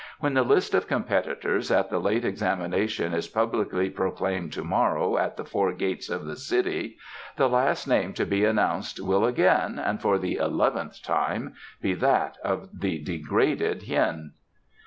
"When the list of competitors at the late examination is publicly proclaimed to morrow at the four gates of the city, the last name to be announced will again, and for the eleventh time, be that of the degraded Hien."